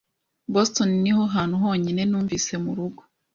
Boston niho hantu honyine numvise murugo.